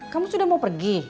kamu sudah mau pergi